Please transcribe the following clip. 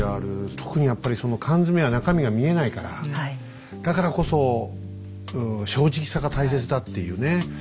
特にやっぱり缶詰は中身が見えないからだからこそ正直さが大切だっていうね。